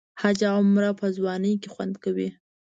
حج او عمره په ځوانۍ کې خوند کوي.